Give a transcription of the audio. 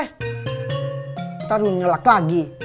ntar lu nyelak lagi